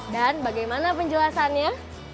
dan bagaimana penjelasannya